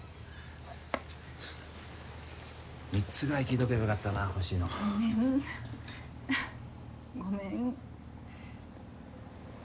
３つぐらい聞いとけばよかったな欲しいのごめんごめん